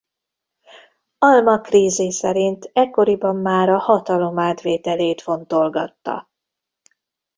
Al-Makrízi szerint ekkoriban már a hatalom átvételét fontolgatta.